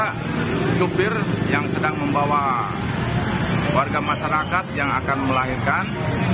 ada supir yang sedang membawa warga masyarakat yang akan melahirkan